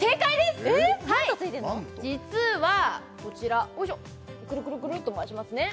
実はこちらおいしょくるくるくるっと回しますね